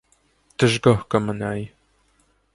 Դժգոհ կը մնայ։